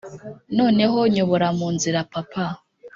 noneho nyobora munzira papa,